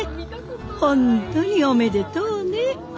本当におめでとうね。